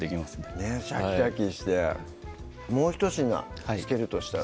ねっシャキシャキしてもうひと品付けるとしたら？